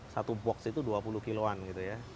satu box itu dua puluh kilo an gitu ya